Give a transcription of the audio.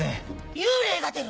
幽霊が出る！